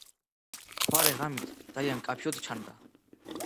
მთვარე ღამით ძალიან მკაფიოდ ჩანდა.